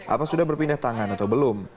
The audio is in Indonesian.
apa sudah berpindah tangan atau belum